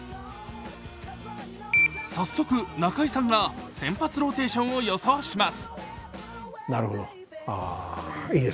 早速、中居さんが先発ローテーションを予想します。